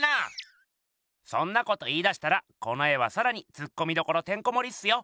そんなこと言いだしたらこの絵はさらにツッコミどころてんこもりっすよ。